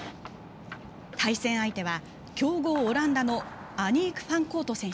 対戦相手は強豪オランダのアニーク・ファンコート選手。